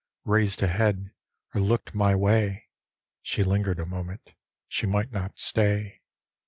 Raised a head or looked my way; She linger'd a moment — she might not stay.